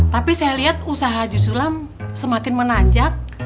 tapi saya lihat usaha aji sulam semakin menanjak